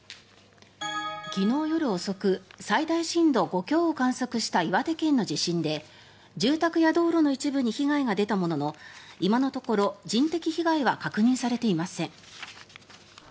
昨日夜遅く最大震度５強を観測した岩手県の地震で住宅や道路の一部に被害が出たものの今のところ人的被害は確認されていません。